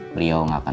beliau gak akan